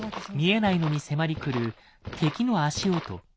見えないのに迫り来る敵の足音。